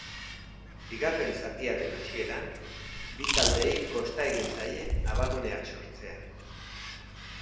Bigarren zatiaren hasieran, bi taldeei kosta egin zaie abaguneak sortzea.